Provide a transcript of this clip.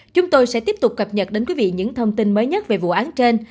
chúng tôi sẽ tiếp tục cập nhật đến quý vị những thông tin mới nhất về vụ án trên